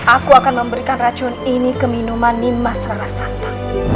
aku akan memberikan racun ini ke minuman nimas rasa